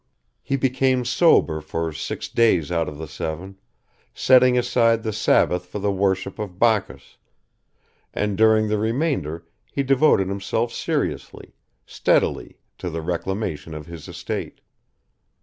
He became sober for six days out of the seven, setting aside the Sabbath for the worship of Bacchus, and during the remainder he devoted himself seriously, steadily to the reclamation of his estate.